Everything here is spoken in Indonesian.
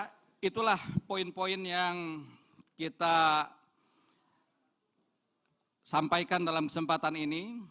saya kira itulah poin poin yang kita sampaikan dalam kesempatan ini